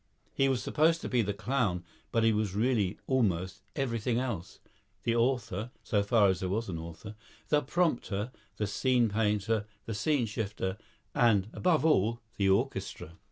He was supposed to be the clown, but he was really almost everything else, the author (so far as there was an author), the prompter, the scene painter, the scene shifter, and, above all, the orchestra.